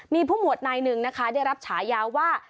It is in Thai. มีผู้หมวดนายหนึ่งนะคะได้รับฉายาว่า